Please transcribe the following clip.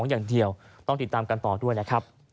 อย่างเดียวต้องติดตามกันต่อด้วยนะครับ